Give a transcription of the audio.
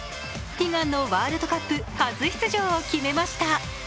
悲願のワールドカップ初出場を決めました。